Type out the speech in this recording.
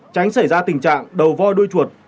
tránh xảy ra tình trạng đầu voi đuôi chuột